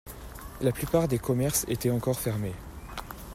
La plupart des commerces étaient encore fermés.